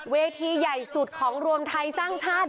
เวทีใหญ่สุดของรวมไทยสร้างชาติ